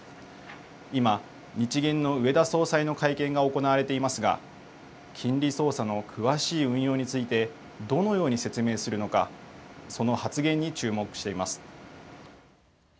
今、日銀の植田総裁の会見が行われていますが、金利操作の詳しい運用について、どのように説明するのか、その発言に注目しています。